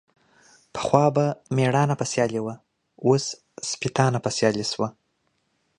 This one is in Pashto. پخوا به ميړانه په سيالي وه ، اوس سپيتانه په سيالي سوه.